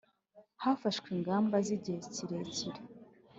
hafashwe ingamba z igihe kirekire